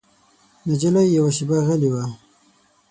نجلۍ یوه شېبه غلی وه.